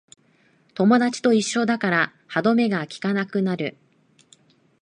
友達と一緒だから歯止めがきかなくなる